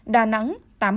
đà nẵng tám mươi